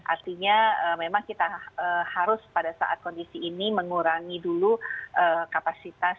artinya memang kita harus pada saat kondisi ini mengurangi dulu kapasitas